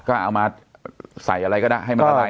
ก็เอามาใส่อะไรก็ได้ให้มันละลาย